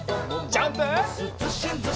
ジャンプ！